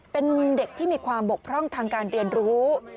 เป็นเด็กที่มีความบกพร่องทางการเรียนรู้